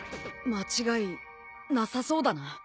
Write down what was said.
間違いなさそうだな。